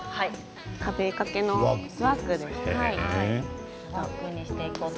壁掛けのスワッグです。